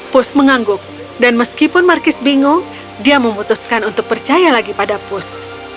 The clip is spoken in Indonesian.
pus mengangguk dan meskipun markis bingung dia memutuskan untuk percaya lagi pada pus